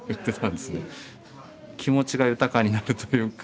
気持ちが豊かになるというか。